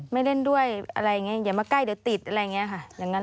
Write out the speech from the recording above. ไม่เล่นด้วยอะไรอย่างนี้อย่ามาใกล้เดี๋ยวติดอะไรอย่างนี้ค่ะอย่างนั้น